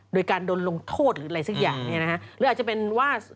โดยการโดนลงโทษหรืออะไรสักอย่างเนี่ยนะฮะหรืออาจจะเป็นว่า